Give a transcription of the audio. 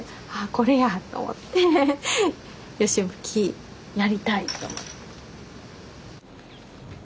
これやと思ってヨシ葺きやりたいと思って。